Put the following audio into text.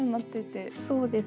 そうです。